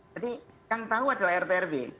jadi yang tahu adalah rtrw